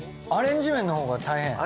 アレンジ麺のほうが大変？